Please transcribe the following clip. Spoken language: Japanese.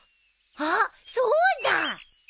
あっそうだ！